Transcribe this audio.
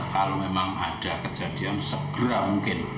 kalau memang ada kejadian segera mungkin